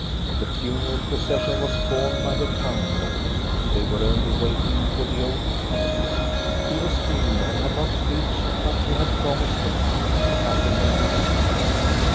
The funeral procession was formed by the town hall. They were only waiting for the old dean. He was ill and had not preached; but he had promised to come to Captain Lennart's funeral.